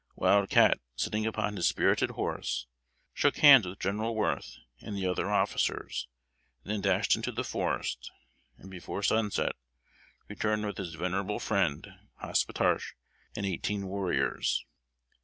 Wild Cat, sitting upon his spirited horse, shook hands with General Worth and the other officers, and then dashed into the forest; and before sunset, returned with his venerable friend, Hospetarche, and eighteen warriors.